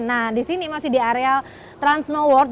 nah di sini masih di area trans snow world